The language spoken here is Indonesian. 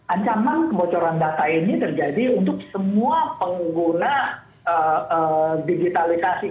ancaman kebocoran data ini terjadi untuk semua pengguna digitalisasi